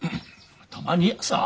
たまにやさ。